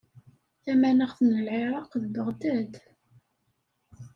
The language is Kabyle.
Tamanaɣt n Lɛiraq d Beɣdad.